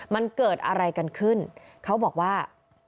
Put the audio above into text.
มันเกิดอะไรกันขึ้นเขาบอกว่า